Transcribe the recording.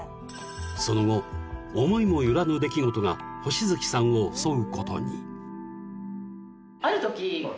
［その後思いも寄らぬ出来事が星月さんを襲うことに］